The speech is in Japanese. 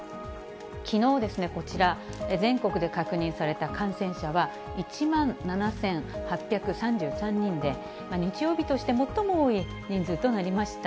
きのうこちら、全国で確認された、感染者は１万７８３３人で、日曜日として最も多い人数となりました。